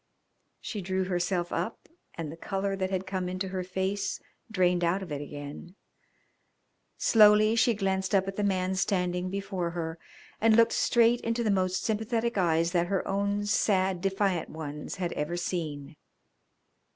She drew herself up and the colour that had come into her face drained out of it again. Slowly she glanced up at the man standing before her, and looked straight into the most sympathetic eyes that her own sad, defiant ones had ever seen.